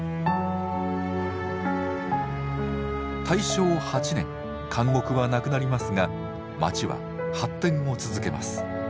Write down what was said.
大正８年監獄はなくなりますが町は発展を続けます。